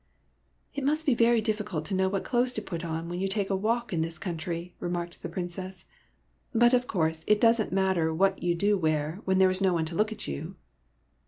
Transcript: It must be very difficult to know what clothes to put on, when you take a walk in this country," remarked the Princess. '' But, of course, it does n't matter what you do wear when there is no one to look at you